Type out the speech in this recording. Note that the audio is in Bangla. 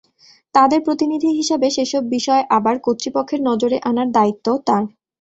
তাঁদের প্রতিনিধি হিসেবে সেসব বিষয় আবার কর্তৃপক্ষের নজরে আনার দায়িত্বও তাঁর।